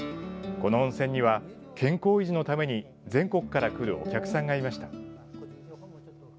この温泉には、健康維持のために全国から来るお客さんがいました。